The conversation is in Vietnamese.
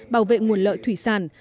bảo vệ nguồn lợi thủy sản